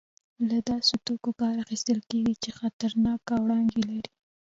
له داسې توکو کار اخیستل کېږي چې خطرناکې وړانګې لري.